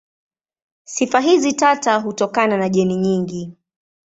Sifa hizi tata hutokana na jeni nyingi.